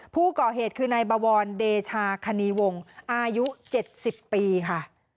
ผู้ก่อเหตุคือนายบวรเดชาคณีวงอายุ๗๐ปีค่ะ